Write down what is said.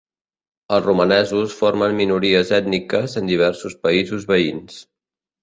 Els romanesos formen minories ètniques en diversos països veïns.